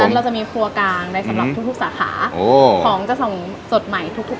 ฉะนั้นเราจะมีครัวกลางในสำหรับทุกสาขาโอ้ของจะส่งสดใหม่ทุก